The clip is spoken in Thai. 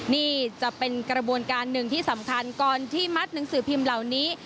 นี่จะเป็นกระบวนการหนึ่งที่สำคัญก่อนที่มัดหนังสือพิมพ์เหล่านี้